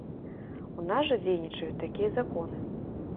У нас жа дзейнічаюць такія законы.